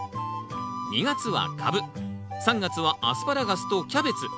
２月は「カブ」３月は「アスパラガス」と「キャベツ」。